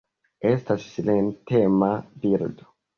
Estas silentema birdo.